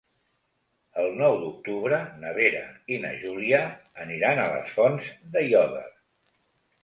El nou d'octubre na Vera i na Júlia aniran a les Fonts d'Aiòder.